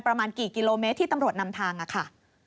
ประมาณกี่กิโลเมตรที่ตำรวจนำทางค่ะ